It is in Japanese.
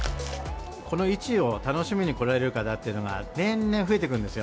この市を楽しみに来られる方っていうのが、年々増えてくるんですよ。